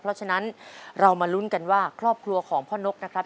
เพราะฉะนั้นเรามาลุ้นกันว่าครอบครัวของพ่อนกนะครับ